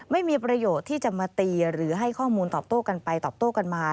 ไม่มีประโยชน์ที่จะมาตีหรือให้ข้อมูลตอบโต้กันไปตอบโต้กันมา